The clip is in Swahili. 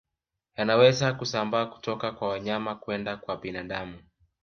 Yanaweza kusambaa kutoka kwa wanyama kwenda kwa binadamu